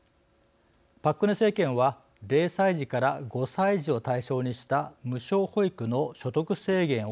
パク・クネ政権は０歳児から５歳児を対象にした無償保育の所得制限を撤廃。